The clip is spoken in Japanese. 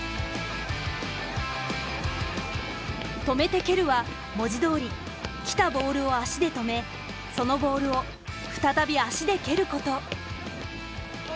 「止めて蹴る」は文字どおり来たボールを足で止めそのボールを再び足で蹴ること。